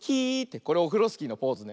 これオフロスキーのポーズね。